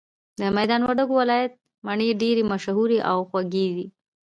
د ميدان وردګو ولايت مڼي ډيري مشهوره او خوږې دي